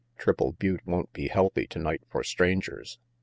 Triple B.utte won't be healthy tonight for strangers.